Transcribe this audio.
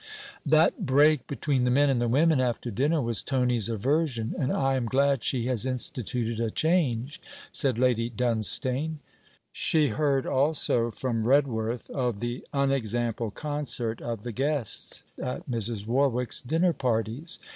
'That break between the men and the women after dinner was Tony's aversion, and I am glad she has instituted a change,' said Lady Dunstane. She heard also from Redworth of the unexampled concert of the guests at Mrs. Warwick's dinner parties.